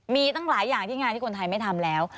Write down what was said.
มีตั้งหลายอย่างที่งานที่คนไทยไม่ทำแล้ว